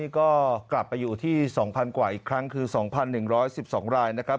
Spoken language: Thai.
ก็กลับไปอยู่ที่๒๐๐กว่าอีกครั้งคือ๒๑๑๒รายนะครับ